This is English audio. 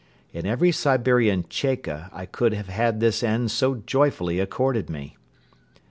In every Siberian "Cheka" I could have had this end so joyfully accorded me.